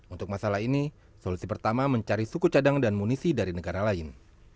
untuk masalah ini solusi pertama mencari suku cadang dan munisi dari negara lain